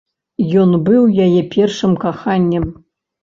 Ён быў яе першым каханнем.